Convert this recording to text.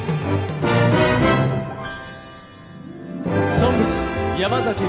「ＳＯＮＧＳ」山崎育三郎。